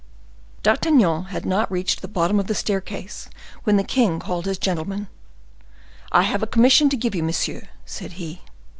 D'Artagnan had not reached the bottom of the staircase, when the king called his gentleman. "I have a commission to give you, monsieur," said he.